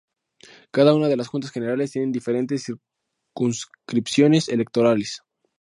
Cada una de las Juntas Generales tienen diferentes circunscripciones electorales.